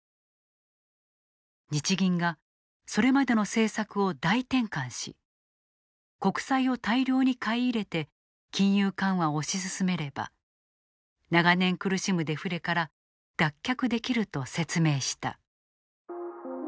日銀がそれまでの政策を大転換し国債を大量に買い入れて金融緩和を推し進めれば長年苦しむデフレから脱却できると説明した。